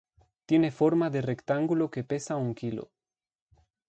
Tiene forma de rectángulo que pesa un kilo.